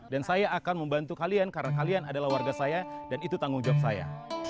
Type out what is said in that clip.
dan saya akan membantu kalian karena kalian adalah warga saya dan itu tanggung jawab saya